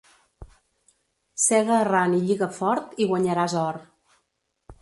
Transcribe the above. Sega arran i lliga fort i guanyaràs or.